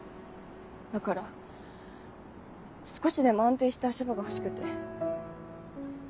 だから少しでも安定した足場が欲しくて。